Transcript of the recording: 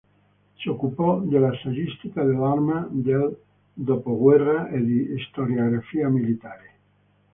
Si occupò della saggistica dell'Arma del dopoguerra e di storiografia militare.